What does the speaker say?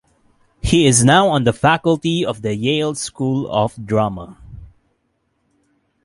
He is now on the faculty of the Yale School of Drama.